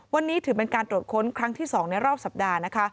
วันนี้ถือเป็นการตรวจค้นครั้งที่๒ในรอบสัปดาห์นะคะ